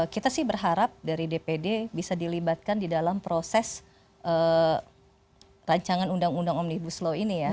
kita sih berharap dari dpd bisa dilibatkan di dalam proses rancangan undang undang omnibus law ini ya